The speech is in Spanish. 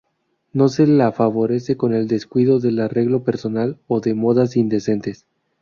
No se la favorece con el descuido del arreglo personal o de modas indecentes.